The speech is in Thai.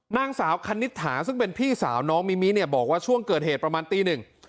นางสาวคณิตถาซึ่งเป็นพี่สาวน้องมิมิเนี่ยบอกว่าช่วงเกิดเหตุประมาณตีหนึ่ง